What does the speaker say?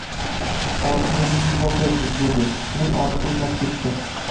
oshni o’zingiz boplaysiz, – dedi. Men oshga unnab ketdim.